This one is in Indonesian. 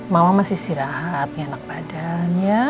mama masih istirahat ya anak badan ya